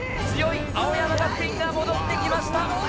強い青山学院が戻ってきました！